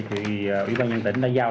thì ủy ban nhân dân tỉnh đã giao